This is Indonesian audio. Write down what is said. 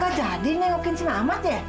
gak jadi nengokin si mamat ya